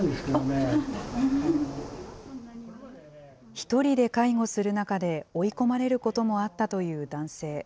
１人で介護する中で、追い込まれることもあったという男性。